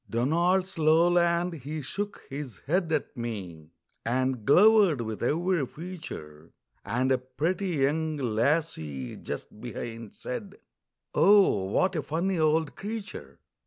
Donald's lowland, he shook his head at me, And glowered with every feature, And a pretty young lassie just behind Said: "Oh, what a funny old creature!"